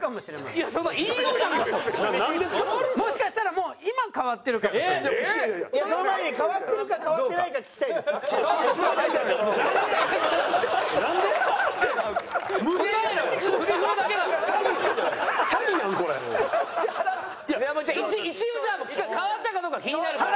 もうじゃあ一応変わったかどうか気になるから。